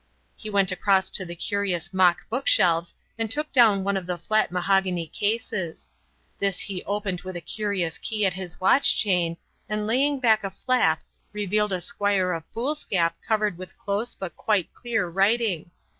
He went across to the curious mock book shelves and took down one of the flat mahogany cases. This he opened with a curious key at his watch chain, and laying back a flap revealed a quire of foolscap covered with close but quite clear writing.